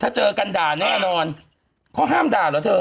ถ้าเจอกันด่าแน่นอนเขาห้ามด่าเหรอเธอ